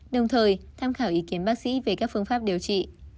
đồng thời tham khảo ý kiến bác sĩ về các phương pháp điều trị